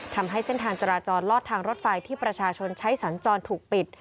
ทำให้เส้นทางจราจรลอดทางรถไฟที่ประชาชนใช้สัญจรถูกปิด